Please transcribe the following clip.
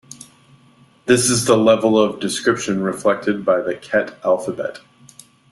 This is the level of description reflected by the Ket alphabet.